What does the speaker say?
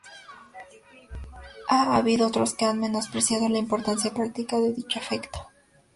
Ha habido otros que han menospreciado la importancia práctica de dicho efecto.